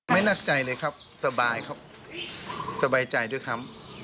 นักใจเลยครับสบายครับสบายใจด้วยครับ